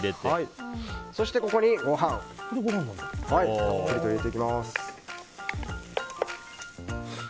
そして、ここにご飯をたっぷりと入れていきます。